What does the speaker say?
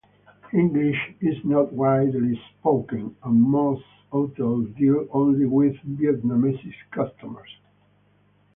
English is not widely spoken, and most hotels deal only with Vietnamese customers.